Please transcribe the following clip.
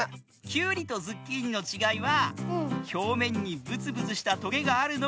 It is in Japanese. キュウリとズッキーニのちがいはひょうめんにブツブツしたトゲがあるのがキュウリ。